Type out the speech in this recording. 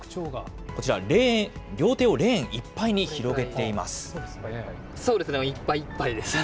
こちら、両手をレーンいっぱいに広げています。